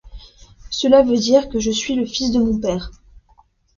Cela veut dire que je suis le fils de mon père.